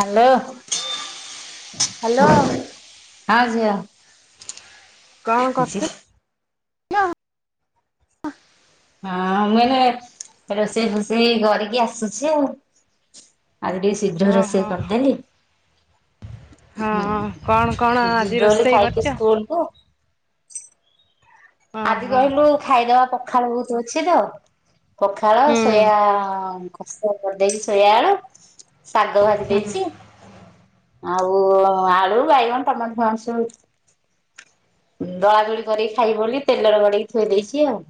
Hello hello ହଁ ଝିଅ। କଣ କରୁଛନ୍ତି? ହଁ ମୁଁ ଏଇନେ ରୋଷେଇ ଫୋଷେଇ କରିକି ଆସୁଛି ଆଉ। ଆଜି ଟିକେ ଶୀଘ୍ର ରୋଷେଇ ଓହୋ କରିଦେଲି। ହୁଁ ହଁ କଣ କଣ ଯିବେ ଆଜି ବୋଲି ରୋଷେଇ କରିଛ? [unintelligible] ଆଜି ଓହୋ କହିଲୁ ଖାଇଦବା ପଖାଳ ବହୁତ ଅଛି ତ। ପଖାଳ ହୁଁ ଶୋୟା ଖସା କରିଦେଇଛି ଶୋୟା ଆଳୁ। ଶାଗ ଭାଜି ଦେଇଛି। ଆଉ ଆଳୁ ବାଇଗଣ ଟମାଟୋ ଫମାଟୋ ସବୁ। ଦଳା ଦୁଳି କରିକି ଖାଇବୁ ବୋଲି ତେଲରେ ଗଢେଇକି ଥୋଇ ଦେଇଛି ଆଉ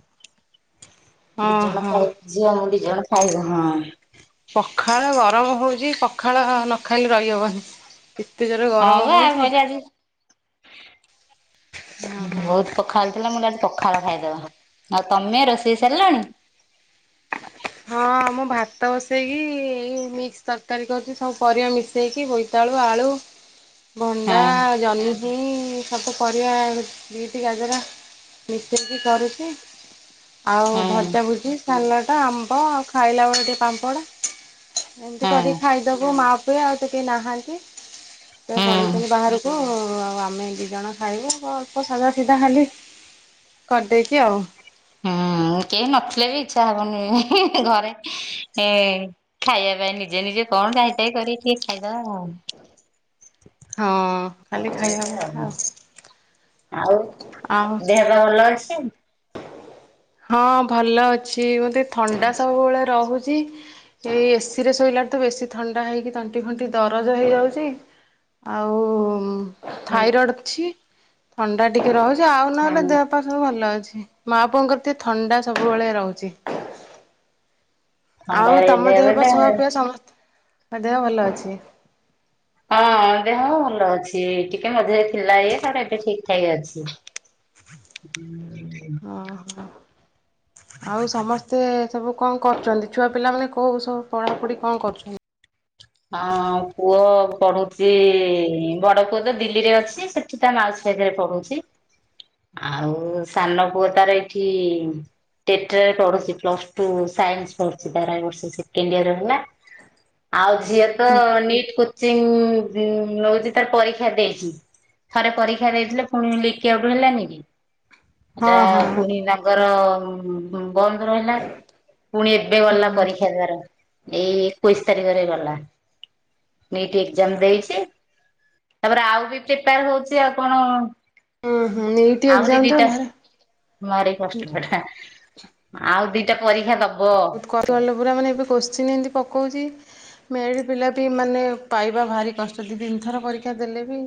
ଦିଜଣ ଓହୋ ଖାଇବୁ। ଝିଅ ମୁ ଦିଜଣ ଖାଇବୁ ହଁ। ପଖାଳ ଗରମ ହଉଛି ପଖାଳ ନଖାଇଲେ ରହିହବନି। ଏତେ ଜୋର ହଁ ଗରମ ବା ହଉଛି। କହିଲି ଆଜି ବହୁତ। ପଖାଳ ଥିଲା ମୁଁ କଇଲି ଆଜି ପଖାଳ ଖାଇଦେବା ଆଉ ତମେ ରୋଷେଇ ସାରିଲାଣି? ହଁ ମୁଁ ଭାତ ବସାଇକି ଏଇ ମିକ୍ସ ତରକାରୀ କରଛି ସବୁ ପରିବା ମିଶେଇକି ବୋଇତାଳୁ ଆଳୁ ଭଣ୍ଡା ହଁ ଜହ୍ନି ସବୁ ପରିବା ବିଟ ଗାଜର। ମିସେଇକି କରୁଛି। ଆଉ ହଁ ଭଜା ଭୁଜି ସାଲଟା ଆମ୍ବ ଆଉ ଖାଇଲା ବେଳେ ଟିକେ ପାମ୍ପଡ଼ ଏମିତି ହଁ କରିକି ଖାଇଦବୁ ମା ପୁଏ ଆଉ ତ କିଏ ନାହାନ୍ତି। ସେ ହୁଁ। ପଳେଇଛନ୍ତି ବାହାରକୁ ଆଉ ଆମେ ଦି ଜଣ ଖାଇବୁ ଆଉ ଅଳ୍ପ ସାଧା ସିଧା ଖାଲି କରିଦେଇଛି ଆଉ। ହୁଁ କେହି ନଥିଲେ ବି ଇଚ୍ଛା ହବନି ହେଁ ହେଁ ଘରେ। ଏ ଖାଇବା ପାଇଁ ନିଜେ ନିଜେ କଣ ଯାଇତାଇ କରିକି ଟିକେ ଖାଇଦବା। ହଁ ଖାଲି ଖାଇବା କଥା ଆଉ। ଆଉ ଆଉ ଦେହ ପା ଭଲ ଅଛି? ହଁ ଭଲ ଅଛି ମତେ ଥଣ୍ଡା ସବୁବେଳେ ରହୁ ଏଇ ଏ ସି ରେ ଶୋଇଲାଠୁ ବେଶୀ ଥଣ୍ଡା ହେଇକି ତଣ୍ଟି ଫଣ୍ଟି ଦରଜ ହେଇଯାଉଛି। ଆଉ ହୁଁ ଥାଇରଏଡ ଅଛି ଥଣ୍ଡା ଟିକେ ରହୁଛି ଆଉ ନହେଲେ ହଁ ଦେହ ପା ସବୁ ଭଲ ଅଛି ମା ପୁଅଙ୍କର ଟିକେ ଥଣ୍ଡା ସବୁବେଳେ ରହୁଛି। ଆଉ ଥଣ୍ଡାରେ ତମ ଦେହ ପା ବେଲେ ଛୁଆପିଲା ସମସ୍ତଙ୍କ ଦେହ ଭଲ ଅଛି? ହଁ ଦେହ ଭଲ ଅଛି ଟିକେ ମଝିରେ ଥିଲା ଇଏ ତାପରେ ଏବେ ଠିକ ଠାକ ଅଛି। ହୁଁ। ହଁ ହଁ। ଆଉ ସମସ୍ତେ ସବୁ କଣ କରୁଛନ୍ତି ଛୁଆ ପିଲା ମାନେ କୋଉ ସବୁ ପଢାପଢି କଣ କରୁଛନ୍ତି? ହଁ ପୁଅ ପଢୁଛି ବଡ ପୁଅ ତ ଦିଲ୍ଲୀରେ ଅଛି ସେ ତା ମାଉସି ପାଖରେ ପଢୁଛି। ଆଉ ସାନ ପୁଅ ତାର ଏଠି ଟେଟ୍ରାରେ ପଢୁଛି ପ୍ଲସଟୁ ସାଇନ୍ସ ପଢୁଛି ତାର ଏବର୍ଷ ସେକେଣ୍ଡ ଇୟର ହେଲା। ଆଉ ଝିଅ ତ ନିଟ୍ କୋ ଚିଂ ନଉଛି ତାର ପରୀକ୍ଷା ଦେଇଛି। ଥରେ ପରୀକ୍ଷା ଦେଇଥିଲେ ପୁଣି ଲିକଆଉଟ ହେଲାନି କି? ଏଟା ହଁ ହଁ ପୁଣି ତାଙ୍କର ବନ୍ଦ ରହିଲା ପୁଣି ଏବେ ଏବେ ଗଲା ପରୀକ୍ଷା ତାର ଏଇ ଏକୋଇଶି ତାରିଖରେ ଗଲା। ନୀଟ ଏକଜାମ ଦେଇଛି। ତାପରେ ଆଉ ବି ପ୍ରିପାର ହଉଛି ଆଉ କଣ? ହୁଁ ହୁଁ ନିଟ୍ ଏକଜାମ ତ ଭାର ମାରୀ କଷ୍ଟ ପାଠ ଆଉ ଦିଟା ପରୀକ୍ଷା ଦବ। [unintelligible] ପୁରା ମାନେ ଏବେ କୋଶ୍ଚିନି ଏମତି ପକଉଛି ମେଡ ପିଲା ବି ମାନେ ପାଇବା ଭାରି କଷ୍ଟ ଦି ତିନି ଥର ପରୀକ୍ଷା ଦେଲେ ବି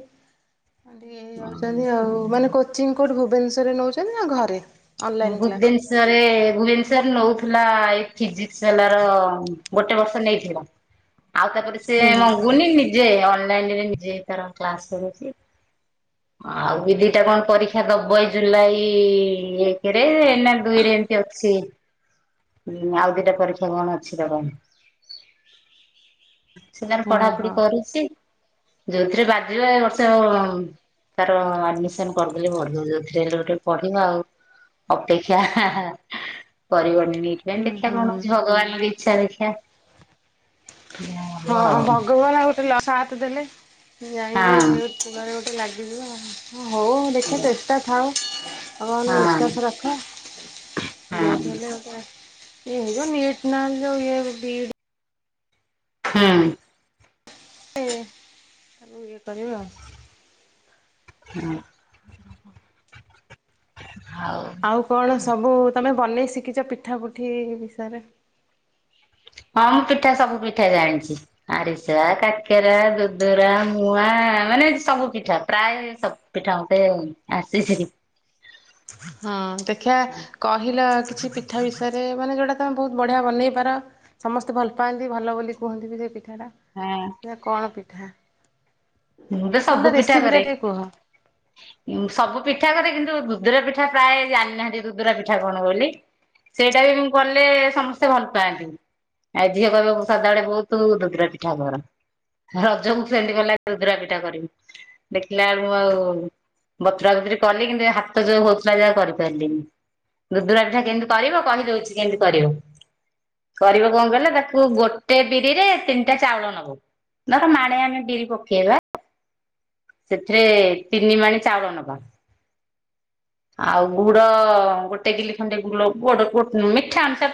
ଇହେଇଯାଉଛନ୍ତି ଆଉ ମାନେ କୋଚିଂ କୋଠି ଭୁବେନଶ୍ଵର୍ ରେ ନଉଛନ୍ତି ନା ଘରେ? ଅନଲାଇନ୍ କ୍ଲାସ୍ ଭୁବେନଶରରେ ଭୁବେନଶରରେ ନଉଥିଲା ଏଇ ଫିଜିକ୍ସବାଲାର ଗୋଟେ ବର୍ଷ ନେଇଥିଲ ଆଉ ତାପରେ ସେ ହୁଁ ମଗୁନି ନି ଯେ ଅନଲାଇନରେ ନିଜେ ତାର କ୍ଲାସ କରୁଛି ଆଉ ବି ଦିଟା କଣ ପରୀକ୍ଷା ଦବ ଏଇ ଜୁଲାଇ ଏକରେ ନା ଦୁଇରେ ଏମିତି ଅଛି। ହୁଁ ଆଉ ଦିଟା ପରୀକ୍ଷା କଣ ଅଛି ଦବ। ସେ ତାର ହଁ ପଢାପଢି ହଁ କରୁଛି ଯୋଉଥିରେ ବାଜିବ ଏଇ ବର୍ଷ ତାର ଆଡମିସନ କରିଦେଲେ ଭଲ ହେଲେ ଗୋଟେ ପଢିବା ଆଉ ଅପେକ୍ଷା କରିବନି। ନିଟ ପାଇଁ ହୁଁ ଦେଖିବା କଣ ହୁଁ। ହଉଛି ଭଗବାନ ଙ୍କ ଇଚ୍ଛା ଦେଖିବା ଯାହା ହବ ହଁ ଭଗବାନ ଆଉ ଲକ୍ ସାଥେ ଦେଲେ ଯାଇକି ଆଉ କୂଳରେ ଗୋଟେ ଲାଗିଯିବ ଆଉ ହଁ ହଉ ହଁ ଦେଖ ଚେଷ୍ଟା ଥାଉ ଭଗବାନ ହଁ ବିଶ୍ଵାସ ରଖ ହଁ। ଯେଉଠି ହେଲେ ଗୋଟେ ଇଏ ହେଇଯିବ। ନୀଟ ନହେଲେ ଯଉ ବି ଇ ଡ୍ ହୁଁ। ଏ ଇଏ କରିବ ଆଉ ହୁଁ। [inaudible] ଆଉ ଆଉ କଣ ସବୁ ତମେ ବନେଇ ଶିଖିଛ ପିଠା ପୁଠି ବିଷୟରେ? ହଁ ମୁଁ ପିଠା ସବୁ ପିଠା ଜାଣିଛି। ଆରିସା, କାକେରା, ଦୁଦରା ମୁୂଆ ମାନେ ସବୁ ପିଠା ପ୍ରାୟ ସବୁ। ପିଠା ମତେ ଆସିଛି। ହଁ ଦେଖିଆ କହିଲ କିଛି ପିଠା ବିଷୟରେ ମାନେ ଯୋଉଟା ତମେ ବହୁତ ବଢିଆ ବନେଇପାର। ସମସ୍ତେ ଭଲ ପାଆନ୍ତି ଭଲ ବୋଲି କୁହନ୍ତି ବି ସେ ପିଠାଟା। ଆଁ ଦେ ଆ କଣ ପିଠା? ମୁଁ ତ ମାନେ ତା ସବୁ ପିଠା ରେସିପି ଟା କରେ। ଟିକେ କୁହ? ସବୁ ପିଠା କରେ କିନ୍ତୁ ଦୁଦୁରା ପିଠା ପ୍ରାୟ ଜାଣିନାହାନ୍ତି ଦୁଦୁରା ପିଠା କଣ ବୋଲି। ସେଇଟା ବି ମୁ କଲେ ସମସ୍ତେ ଭଲ ପାଆନ୍ତି। ଆଉ ଝିଅ କହିବ ସଦାବେଳେ ବହୁତ ଦୁଦୂରା ପିଠା କର। ରଜକୁ ଟ୍ରେଣ୍ଡ କଲା ଦୁଦୁରା ପିଠା କରିବି ଦେଖିଲାବେଳକୁ ଆଉ ବତୁରା ବୁତୁରି କଲି କିନ୍ତୁ ଏ ହାତ ଯୋଉ ହଉଥିଲା ଯେ ଆଉ କରିପାରିଲିନି। ଦୁଧୁରା ପିଠା କେମିତି କରିବ କହିଦଉଛି କେମିତି କରିବ। କରିବ କଣ କହିଲେ ତାକୁ ଗୋଟେ ବିରି ରେ ତିନିଟା ଚାଉଳ ନବ। ଧର ମାଣେ ଆମେ ବିରି ପ କେଇବା ସେଥିରେ ତିନି ମାନେ ଚାଉଳ ନବା ଆଉ ଗୁଡ ଗୋଟେ କିଲି ଖଣ୍ଡେ ଗୁ ଗୋଡ ମିଠା ଅନୁସାରେ